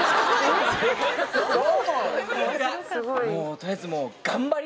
取りあえずもう。